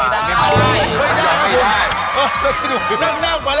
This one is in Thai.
นางน้ำออกมาแล้ว